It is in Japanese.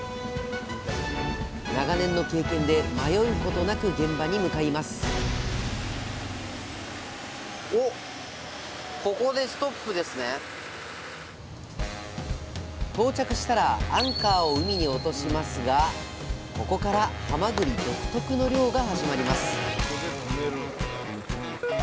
長年の経験で迷うことなく現場に向かいます到着したらアンカーを海に落としますがここからはまぐり独特の漁が始まります。